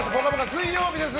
水曜日です。